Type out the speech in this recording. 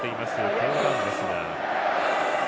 テオ・ダンですが。